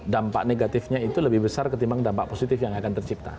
dampak negatifnya itu lebih besar ketimbang dampak positif yang akan tercipta